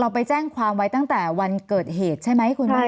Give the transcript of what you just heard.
ไปแจ้งความไว้ตั้งแต่วันเกิดเหตุใช่ไหมคุณแม่